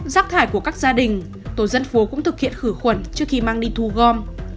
rác thải của các gia đình tổ dân phố cũng thực hiện khử khuẩn trước khi mang đi thu gom